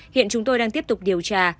hiện chúng tôi đang tiếp tục điều tra